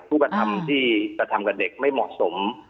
ผู้กระทำที่กระทำกับเด็กไม่เหมาะสม